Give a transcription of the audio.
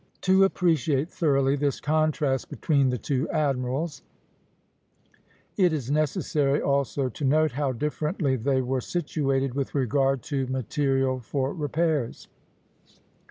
To appreciate thoroughly this contrast between the two admirals, it is necessary also to note how differently they were situated with regard to material for repairs.